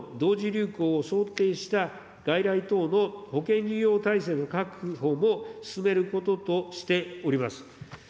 流行を想定した外来等の保険医療体制の確保も進めることとしております。